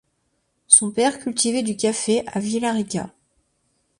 Son père cultivait du café à Villa Rica.